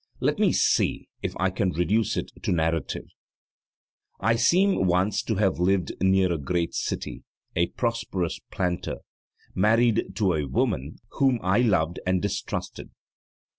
Let me see if I can reduce it to narrative. I seem once to have lived near a great city, a prosperous planter, married to a woman whom I loved and distrusted.